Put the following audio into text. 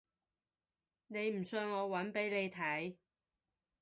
你唔信我搵俾你睇